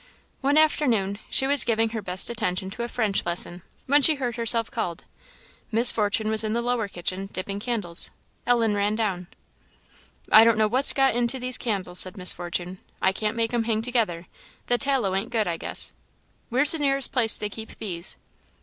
One afternoon, she was giving her best attention to a French lesson, when she heard herself called. Miss Fortune was in the lower kitchen, dipping candles. Ellen ran down. "I don't know what's got into these candles," said Miss Fortune. "I can't make 'em hang together; the tallow ain't good, I guess. Where's the nearest place they keep bees?"